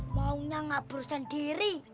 maunya gak berusah diri